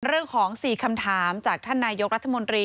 เรื่องของ๔คำถามจากท่านนายกรัฐมนตรี